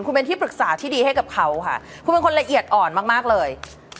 คุณเป็นที่ปรึกษาที่ดีให้กับเขาค่ะคุณเป็นคนละเอียดอ่อนมากเลย